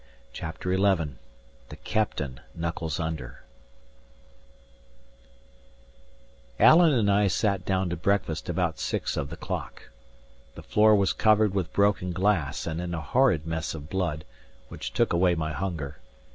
CHAPTER XI THE CAPTAIN KNUCKLES UNDER Alan and I sat down to breakfast about six of the clock. The floor was covered with broken glass and in a horrid mess of blood, which took away my hunger.